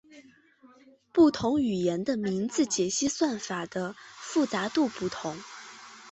不同语言的名字解析算法的复杂度不同。